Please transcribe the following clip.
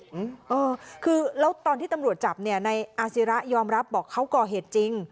เออคือแล้วตอนที่ตำรวจจับเนี่ยในอาศิระยอมรับบอกเขาก่อเหตุจริง